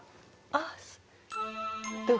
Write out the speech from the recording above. あっそう。